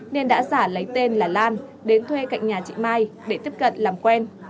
nên đã giả lấy tên là lan đến thuê cạnh nhà chị mai để tiếp cận làm quen